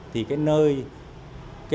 thì cái nơi này đã được tạo ra